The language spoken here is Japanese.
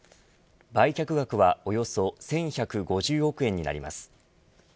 売却額はおよそ１１５０億円になります。